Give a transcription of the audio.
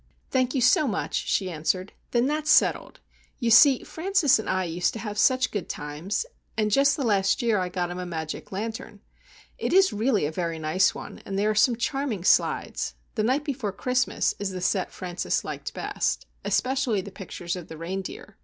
"Thank you so much," she answered. "Then that's settled. You see Francis and I used to have such good times, and just the last year I got him a magic lantern. It is really a very nice one, and there are some charming slides. 'The Night before Christmas' is the set Francis liked best,—especially the pictures of the reindeer.